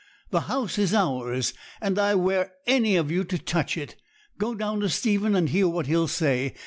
The house is ours, and I 'ware any of you to touch it. Go down to Stephen and hear what he'll say.